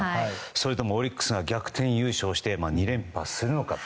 それともオリックスが逆転優勝して２連覇するのか。